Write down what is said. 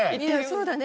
そうだね。